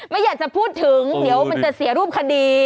ไม่อยากจะพูดถึงเดี๋ยวมันจะเสียรูปคดี